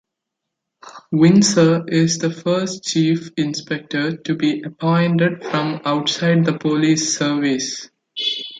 Winsor is the first Chief Inspector to be appointed from outside the police service.